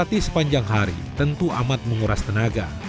berlatih sepanjang hari tentu amat menguras tenaga